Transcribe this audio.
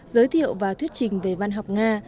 giới thiệu và thuyết trình về văn học nga